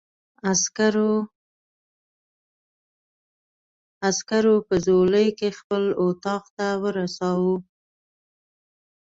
عسکرو په ځولۍ کې خپل اتاق ته ورساوه.